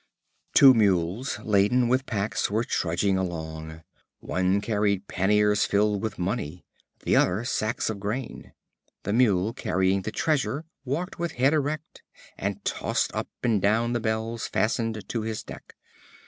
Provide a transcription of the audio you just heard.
Two Mules laden with packs were trudging along. One carried panniers filled with money, the other sacks of grain. The Mule carrying the treasure walked with head erect, and tossed up and down the bells fastened to his neck.